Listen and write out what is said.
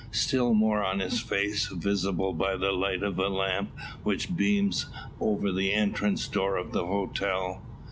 Still more on his face, visible by the light of a lamp which beams over the entrance door of the hotel.